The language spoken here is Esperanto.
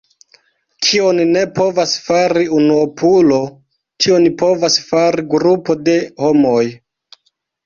Kion ne povas fari unuopulo, tion povas fari grupo de homoj.